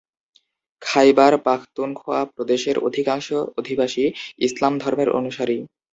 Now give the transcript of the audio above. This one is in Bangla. খাইবার পাখতুনখোয়া প্রদেশের অধিকাংশ অধিবাসী ইসলাম ধর্মের অনুসারী।